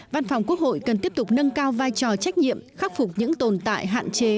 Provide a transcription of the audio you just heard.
văn phòng quốc hội cần tiếp tục nâng cao vai trò trách nhiệm khắc phục những tồn tại hạn chế